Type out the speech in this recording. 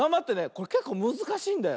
これけっこうむずかしいんだよ。